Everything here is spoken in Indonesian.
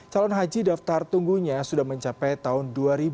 calon haji daftar tunggunya sudah mencapai tahun dua ribu dua puluh